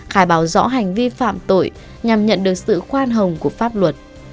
khai báo rõ hành vi phạm tội nhằm nhận được sự khoan hồng của pháp luật